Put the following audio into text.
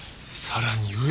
さらに上。